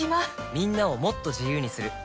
みんなをもっと自由にする「三菱冷蔵庫」